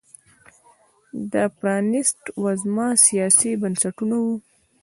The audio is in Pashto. دا پرانیست وزمه سیاسي بنسټونه وو